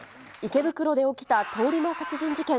池袋で起きた通り魔殺人事件。